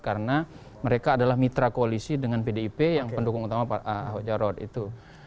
karena mereka adalah mitra koalisi dengan pdip yang pendukung utama pak ahok jarot itu